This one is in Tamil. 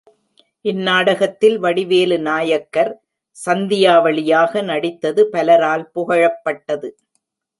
இந் நாடகத்தில் வடிவேலு நாயக்கர், சந்தியாவளியாக நடித்தது பலரால் புகழப்பட்டது.